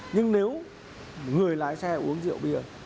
nhưng nếu người lái xe uống rượu bia